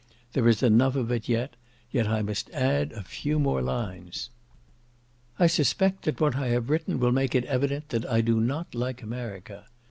There is enough of it, yet I must add a few more lines. I suspect that what I have written will make it evident that I do not like America.